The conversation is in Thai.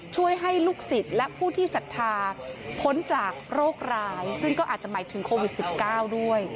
ช่วยให้ลูกศิษย์และผู้ที่ศรัทธาพ้นจากโรคร้ายซึ่งก็อาจจะหมายถึงโควิด๑๙ด้วย